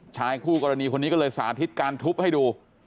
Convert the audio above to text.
ชายคู่กรณีคนนี้ก็เลยสาธิตการทุบให้ดู